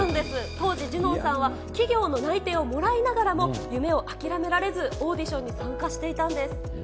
当時、ジュノンさんは企業の内定をもらいながらも、夢を諦められず、オーディションに参加していたんです。